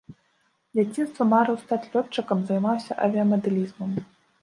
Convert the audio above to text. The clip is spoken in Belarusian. З дзяцінства марыў стаць лётчыкам, займаўся авіямадэлізмам.